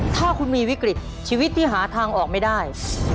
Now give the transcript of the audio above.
ถ้าคุณมีวิกฤตชีวิตที่หาทางออกไม่ได้